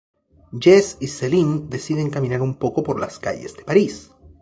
Jesse y Celine deciden caminar un poco por las calles de París.